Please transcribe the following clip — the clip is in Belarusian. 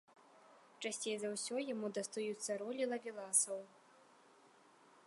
Часцей за ўсё яму дастаюцца ролі лавеласаў.